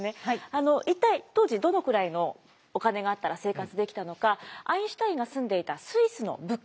あの一体当時どのくらいのお金があったら生活できたのかアインシュタインが住んでいたスイスの物価見ていきます。